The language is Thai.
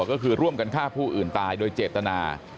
ก็คือร่วมกันฆ่าผู้อื่นตายโดยเจตนา